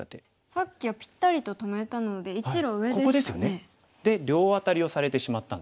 さっきはぴったりと止めたので１路上でしたね。